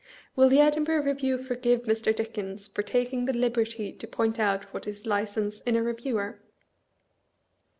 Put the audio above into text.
Will the Edinburgh Re view forgive Mr. Dickens for taking the liberty to point out what is License in a Eeviewer?